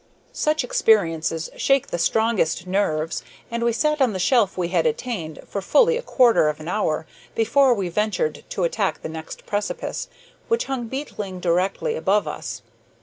Such experiences shake the strongest nerves, and we sat on the shelf we had attained for fully a quarter of an hour before we ventured to attack the next precipice which hung beetling directly above us.